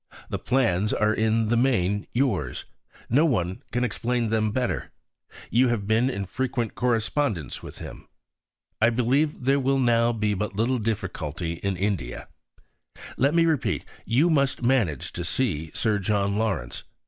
The plans are in the main yours; no one can explain them better: you have been in frequent correspondence with him. I believe there will now be but little difficulty in India.... Let me repeat you must manage to see Sir John Lawrence.